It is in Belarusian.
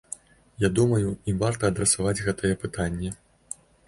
Я думаю, ім варта адрасаваць гэтае пытанне.